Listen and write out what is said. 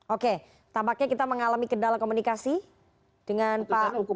oke tampaknya kita mengalami kendala komunikasi dengan pak hukum